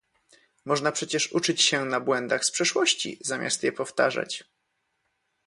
Można przecież uczyć się na błędach z przeszłości zamiast je powtarzać